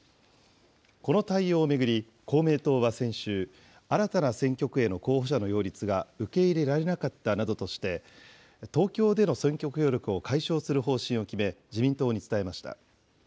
この対応を巡り、公明党は先週、新たな選挙区への候補者の擁立が受け入れられなかったとして、東京での選挙協力を解消する方針を決め、自民党に伝えました。